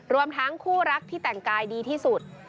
รวมทั้งคู่รักที่แต่งกายดีที่สุด